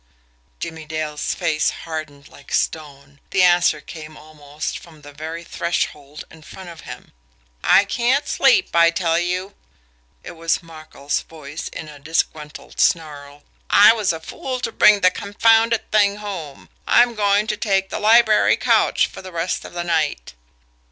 Jimmie Dale's face hardened like stone the answer came almost from the very threshold in front of him: "I can't sleep, I tell you" it was Markel's voice, in a disgruntled snarl. "I was a fool to bring the confounded thing home. I'm going to take the library couch for the rest of the night."